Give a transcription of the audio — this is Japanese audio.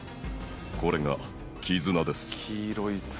これが黄綱です